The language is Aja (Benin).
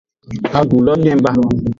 Agu lo den ba.